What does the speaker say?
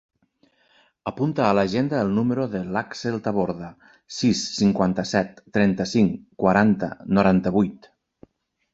Apunta a l'agenda el número de l'Àxel Taborda: sis, cinquanta-set, trenta-cinc, quaranta, noranta-vuit.